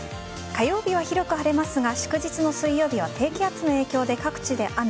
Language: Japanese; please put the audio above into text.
火曜日は広く晴れますが祝日の水曜日は低気圧の影響で各地で雨。